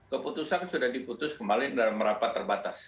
keputusan sudah diputus kembali dalam rapat terbatas